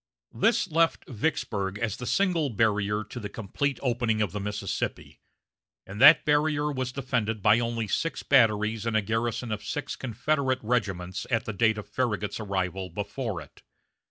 This left Vicksburg as the single barrier to the complete opening of the Mississippi, and that barrier was defended by only six batteries and a garrison of six Confederate regiments at the date of Farragut's arrival before it.